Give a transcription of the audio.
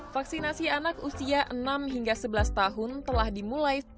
vaksinasi anak usia enam hingga sebelas tahun telah dimulai